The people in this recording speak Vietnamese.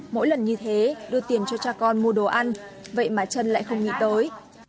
mỗi lần như thế đưa tiền cho cha con mua đồ ăn vậy mà chân lại không nghĩ tới